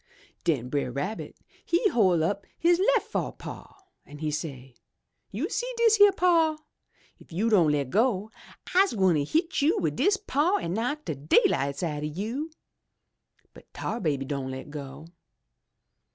Den Brer Rabbit he hoi' up his lef fo' paw an' he say, *You see dis yere paw. If you don' le' go, I'se gwine hit you wid dis paw an' knock de dayUghts out o' you!' But Tar Baby don' le' go!